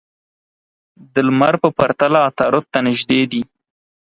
د لمر په پرتله عطارد ته نژدې دي.